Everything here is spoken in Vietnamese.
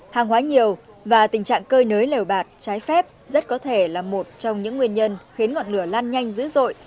hàng hóa nhiều và tình trạng cơi nới lèo bạt trái phép rất có thể là một trong những nguyên nhân khiến ngọn lửa lan nhanh dữ dội